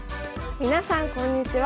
みなさんこんにちは。